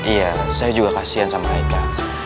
iya saya juga kasian sama eka